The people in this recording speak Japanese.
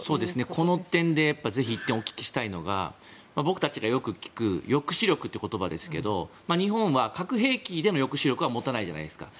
この点でぜひ１点お聞きしたいのが僕たちがよく聞く抑止力という言葉ですが日本は核兵器での抑止力は持たないじゃないですか。